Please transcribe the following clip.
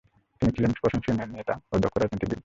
তিনি ছিলেন প্রশংসনীয় নেতা ও দক্ষ রাজনীতিবিদ।